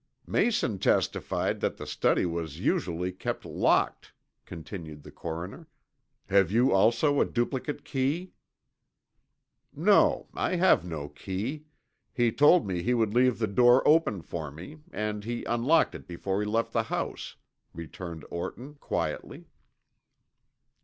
"Mason testified that the study was usually kept locked," continued the coroner. "Have you also a duplicate key?" "No, I have no key. He told me he would leave the door open for me and he unlocked it before he left the house," returned Orton, quietly.